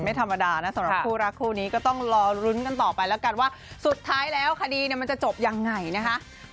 ไม่ธรรมดานะสำหรับคู่รักคู่นี้ก็ต้องรอลุ้นกันต่อไปแล้วกันว่าสุดท้ายแล้วคดีมันจะจบยังไงนะคะ